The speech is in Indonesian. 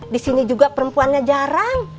di sini juga perempuannya jarang